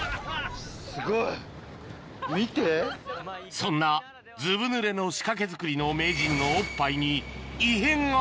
そんなずぶぬれの仕掛け作りの名人のおっぱい